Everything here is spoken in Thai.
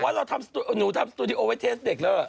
ว่าเราทำหนูทำสตูดิโอไว้เทสเด็กแล้ว